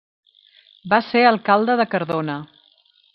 Va ser Alcalde de Cardona.